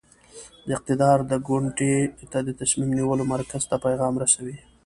د اقدار د کونډې ته د تصمیم نیولو مرکز ته پیغام رسوي.